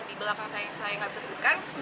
di belakang saya tidak bisa sebutkan